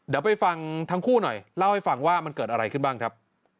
เดี๋ยวไปฟังทั้งคู่หน่อยเล่าให้ฟังว่ามันเกิดอะไรขึ้นบ้างครับ